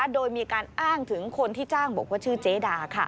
โดยมีการอ้างถึงคนที่จ้างบอกว่าชื่อเจดา